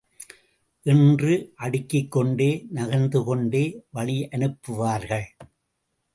என்று அடுக்கிக் கொண்டே நகர்ந்து கொண்டே வழியனுப்புவார்கள்.